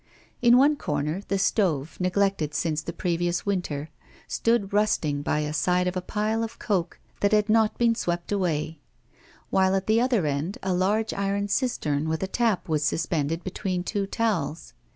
In one corner, the stove, neglected since the previous winter, stood rusting by the side of a pile of coke that had not been swept away; while at the other end a large iron cistern with a tap was suspended between two towels.